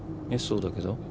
えっそうだけど。